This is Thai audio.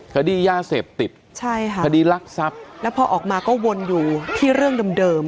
คดียาเสพติดใช่ค่ะคดีรักทรัพย์แล้วพอออกมาก็วนอยู่ที่เรื่องเดิมเดิม